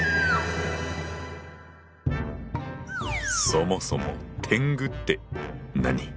そもそも天狗って何？